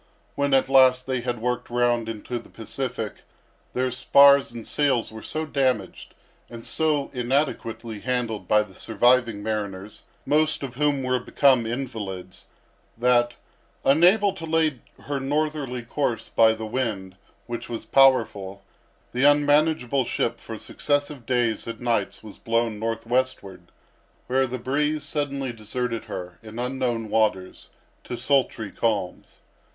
When at last they had worked round into the Pacific, their spars and sails were so damaged, and so inadequately handled by the surviving mariners, most of whom were become invalids, that, unable to lay her northerly course by the wind, which was powerful, the unmanageable ship, for successive days and nights, was blown northwestward, where the breeze suddenly deserted her, in unknown waters, to sultry calms.